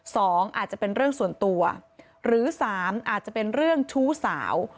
สองอาจจะเป็นเรื่องส่วนตัวหรือสามอาจจะเป็นเรื่องชู้สาว